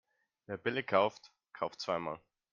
Wer billig kauft, kauft zweimal.